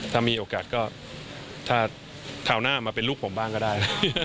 ถ้ามีโอกาสก็ถ้าคราวหน้ามาเป็นลูกผมบ้างก็ได้